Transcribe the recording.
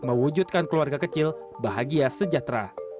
mewujudkan keluarga kecil bahagia sejahtera